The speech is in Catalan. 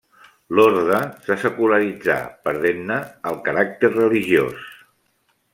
L'orde se secularitzà, perdent-ne el caràcter religiós.